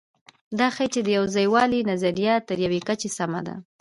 دا ښيي، چې د یوځایوالي نظریه تر یوې کچې سمه ده.